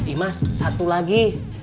imas satu lagi